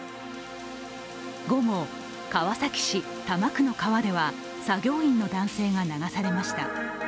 午後、川崎市多摩区の川では作業員の男性が流されました。